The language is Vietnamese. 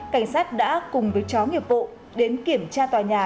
cảnh sát đã cùng với chó nghiệp vụ đến kiểm tra tòa nhà